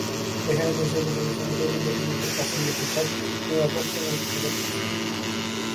এখানে দেশীয় পোশাকের সঙ্গে তরুণ-তরুণীদের পছন্দের টি-শার্ট কিংবা পশ্চিমা পোশাকও থাকছে।